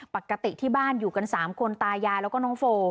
ปกติที่บ้านอยู่กัน๓คนตายายแล้วก็น้องโฟ